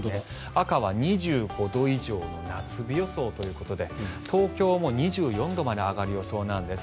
赤は２５度以上の夏日予想ということで東京も２４度まで上がる予想なんです。